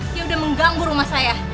dia udah mengganggu rumah saya